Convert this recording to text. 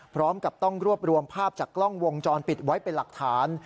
พร้อมกับต้องรวบรวมภาพจากกล้องวงจรปิดไว้เป็นหลักฐาน